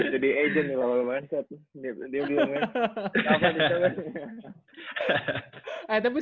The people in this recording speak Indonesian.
jadi agent nih kalau lu maksud